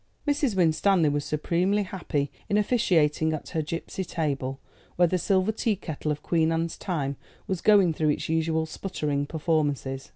Mrs. Winstanley was supremely happy in officiating at her gipsy table, where the silver tea kettle of Queen Anne's time was going through its usual sputtering performances.